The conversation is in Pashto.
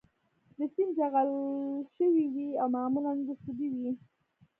د سیند جغل ښوی وي او معمولاً رسوبي وي